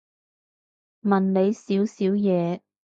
問你少少嘢